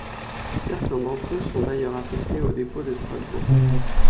Certains d'entre eux sont d'ailleurs affectés au dépôt de Strasbourg.